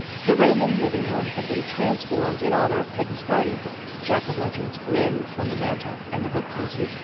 The Raymond living room had been trans formed in honor of Peggy's party. Jack o' lanterns grinned from the mantel and the book cases.